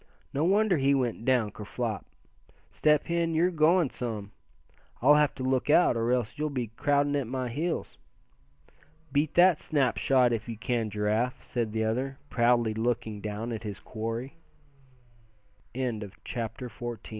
No wonder he went down ker flop. Step Hen, you're going some. I'll have to look out, or else you'll be crowding at my heels." "Beat that snapshot if you can, Giraffe," said the other, proudly looking down at his quarry. CHAPTER XV.